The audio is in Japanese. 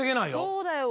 そうだよ。